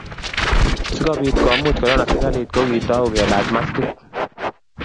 sikobit komuch korona serekalit ko kitau kelach maskit